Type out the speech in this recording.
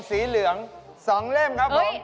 สีเหลือง๒เล่มครับผม